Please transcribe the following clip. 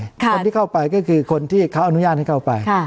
คนที่เข้าไปก็คือคนที่เขาอนุญาตให้เข้าไป